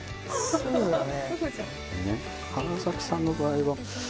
すぐだね。